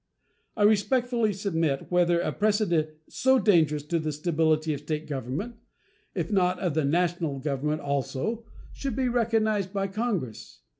I respectfully submit whether a precedent so dangerous to the stability of State government, if not of the National Government also, should be recognized by Congress.